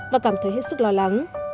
và cảm thấy hết sức lo lắng